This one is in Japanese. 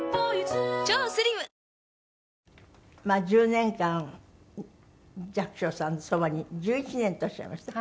１０年間寂聴さんのそばに１１年とおっしゃいました？